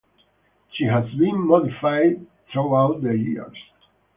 She has been modified throughout the years.